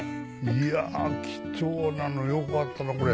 いやー貴重なのよくあったなこれ。